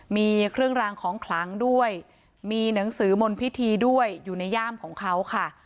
มีเครื่องรางของขลังด้วยมีหนังสือมนพิธีด้วยอยู่ในย่ามของเขาค่ะ